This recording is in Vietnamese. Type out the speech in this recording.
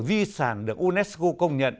di sản được unesco công nhận